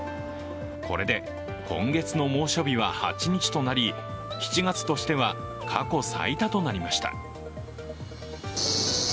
これで今月の猛暑日は８日となり、７月としては過去最多となりました